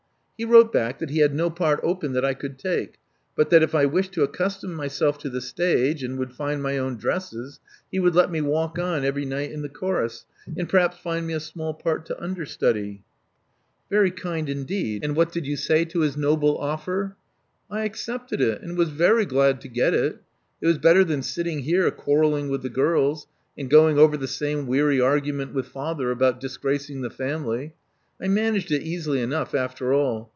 He wrote back that he had no part open that I could take, but that if I wished to accustom myself to the stage and would find my own dresses, he would let me walk on every night in the chorus, and perhaps find me a small part to understudy." Very kind, indeed. And what did you say to his noble offer?" I accepted it, and was very glad to get it. It was Love Among the Artists T] better than sitting here quarrelling with the girls, and going over the same weary argument with father about disgracing the family. I managed it easily enough, after all.